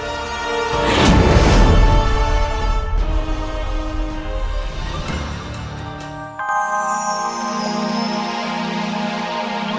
jangan lupa subscribe channel ini